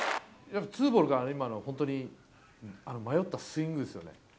ツーボールから今の本当に、迷ったスイングですよね。